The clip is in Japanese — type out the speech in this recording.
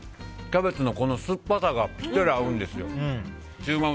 キャベツの酸っぱさがぴったり合うんですよ。